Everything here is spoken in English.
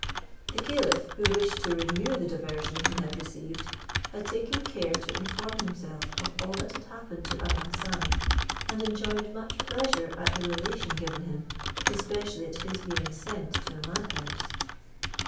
The caliph, who wished to renew the diversion he had received, had taken care to inform himself of all that had happened to Abou Hassan, and enjoyed much pleasure at the relation given him, especially at his being sent to a mad house.